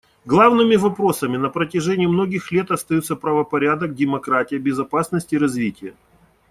Главными вопросами на протяжении многих лет остаются правопорядок, демократия, безопасность и развитие.